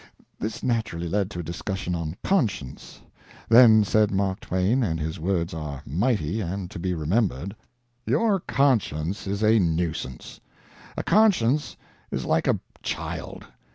This naturally led to a discussion on conscience. Then said Mark Twain, and his words are mighty and to be remembered:— "Your conscience is a nuisance. A conscience is like a child.